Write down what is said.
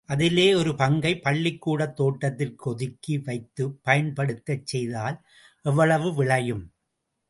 அதிலே ஒரு பங்கை பள்ளிக்கூடத் தோட்டத்திற்கு ஒதுக்கி வைத்துப் பயன்படுத்தச் செய்தால் எவ்வளவு விளையும்?